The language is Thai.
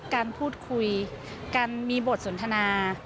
การพูดคุยการมีบทสนทนา